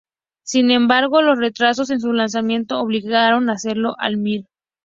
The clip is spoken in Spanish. Sin embargo, los retrasos en su lanzamiento obligaron a hacerlo al Mir.